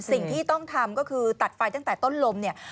สิ่งที่ต้องทำก็คือตัดไฟตั้งแต่ต้นลมเนี่ย